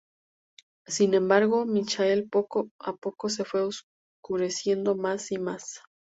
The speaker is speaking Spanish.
Sin embargo, Michael poco a poco se fue oscureciendo más y más.